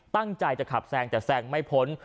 ตั้งใจจะขับแซงแต่แซงไม่พ้น